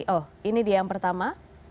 oh ini dia yang pertama